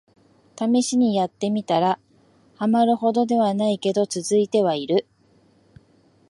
ためしにやってみたら、ハマるほどではないけど続いてはいる